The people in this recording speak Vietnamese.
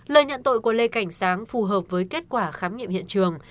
lời nhận tội của lê cảnh sáng phù hợp với kết quả khám nghiệm hiện trường